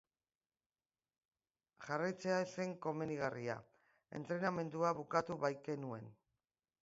Jarraitzea ez zen komenigarria, entrenamendua bukatu baikenuen.